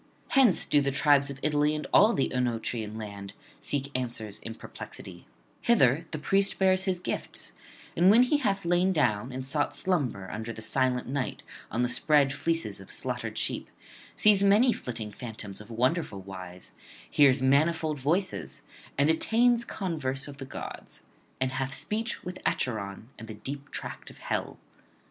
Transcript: Hence do the tribes of Italy and all the Oenotrian land seek answers in perplexity; hither the priest bears his gifts, and when he hath lain down and sought slumber under the silent night on the spread fleeces of slaughtered sheep, sees many flitting phantoms of wonderful wise, hears manifold voices, and attains converse of the gods, and hath speech with Acheron and the deep tract of hell.